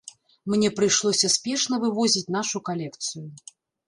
Мне прыйшлося спешна вывозіць нашу калекцыю.